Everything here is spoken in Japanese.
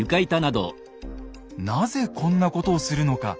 なぜこんなことをするのか。